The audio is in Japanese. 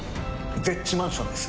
ＺＥＨマンションです。